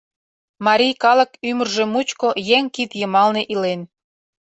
Марий калык ӱмыржӧ мучко еҥ кид йымалне илен.